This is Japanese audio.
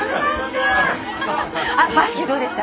バスケどうでした？